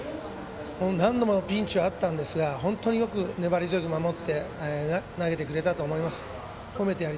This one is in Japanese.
何度もピンチはありましたが本当に粘り強く守って投げてくれたと思います。